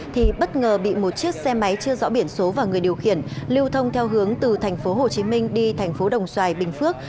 thì bất ngờ bị một chiếc xe máy chưa rõ biển số và người điều khiển lưu thông theo hướng từ thành phố hồ chí minh đi thành phố đồng xoài bình phước